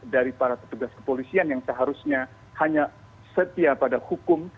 dari para petugas kepolisian yang seharusnya hanya setia pada hukum